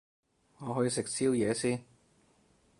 我去食宵夜先